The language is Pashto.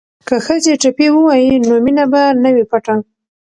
که ښځې ټپې ووايي نو مینه به نه وي پټه.